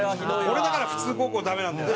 これだから普通高校はダメなんだよな。